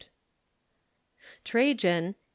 '" Trajan (a.